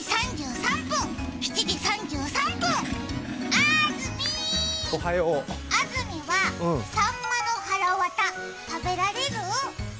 あーずみー、あずみはさんまのはらわた食べられる？